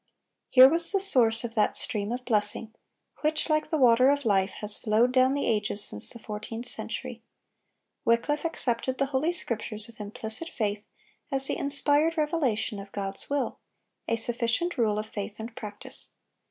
Here was the source of that stream of blessing, which, like the water of life, has flowed down the ages since the fourteenth century. Wycliffe accepted the Holy Scriptures with implicit faith as the inspired revelation of God's will, a sufficient rule of faith and practice.